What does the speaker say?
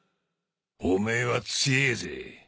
おめえは強えぜ。